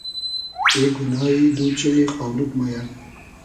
ای گونایی دو چیمی خاو لود مۉ یۂ